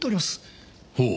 ほう。